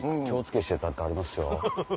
気を付けして立ってはりますよ。